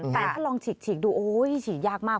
แต่ถ้าลองฉีกดูโอ้ยฉีกยากมาก